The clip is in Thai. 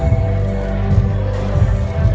สโลแมคริปราบาล